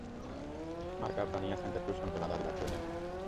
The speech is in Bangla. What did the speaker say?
মারকাব, বানিয়াস, এন্টারতোস অঞ্চল আধাআধি ভাগে ভাগ করে নেন।